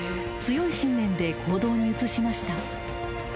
［強い信念で行動に移しました］